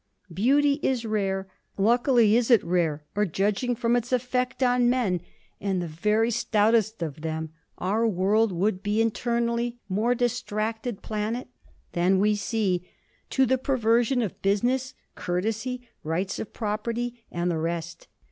Beauty is rare; luckily is it rare, or, judging from its effect on men, and the very stoutest of them, our world would be internally more distracted planet than we see, to the perversion of business, courtesy, rights of property, and the rest.